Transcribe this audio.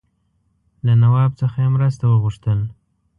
له نواب څخه یې مرسته وغوښتل.